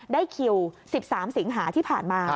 ได้คิว๑๓สิงหาที่ผ่านมา